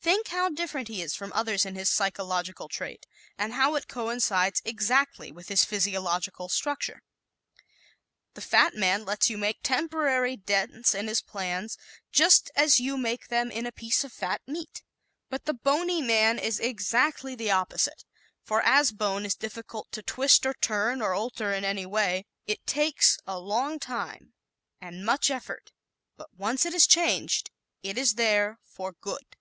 Think how different he is from others in this psychological trait and how it coincides exactly with his physiological structure. The fat man lets you make temporary dents in his plans just as you make them in a piece of fat meat. But the bony man is exactly the opposite, just as bone is difficult to twist, or turn, or alter in any way. It takes a long time and much effort but once it is changed it is there for good.